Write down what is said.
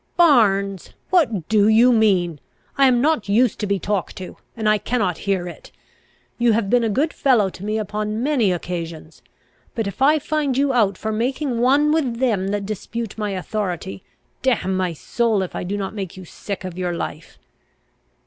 "Barnes! What do you mean? I am not used to be talked to, and I cannot hear it! You have been a good fellow to me upon many occasions But, if I find you out for making one with them that dispute my authority, damn my soul, if I do not make you sick of your life!"